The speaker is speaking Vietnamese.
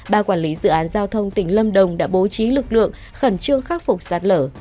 ba quản lý dự án giao thông tỉnh lâm đồng đã bố trí lực lượng khẩn trương khắc phục sạt lở